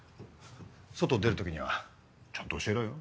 外出る時にはちゃんと教えろよ。